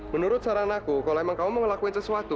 menurut saran aku kalau emang kamu mau ngelakuin sesuatu